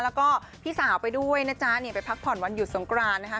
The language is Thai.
แล้วก็พี่สาวไปด้วยนะจ๊ะเนี่ยไปพักผ่อนวันหยุดสงกรานนะคะ